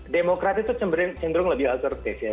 demokrat itu cenderung lebih asertif ya